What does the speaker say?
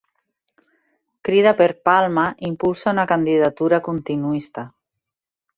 Crida per Palma impulsa una candidatura continuista